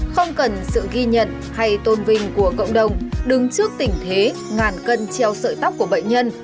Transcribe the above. không cần sự ghi nhận hay tôn vinh của cộng đồng đứng trước tình thế ngàn cân treo sợi tóc của bệnh nhân